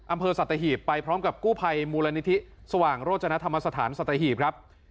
อำเภอสัตหีบไปพร้อมกับกู้ภัยมูลนิธิสว่างโรจนธรรมสถานสัตหีบครับ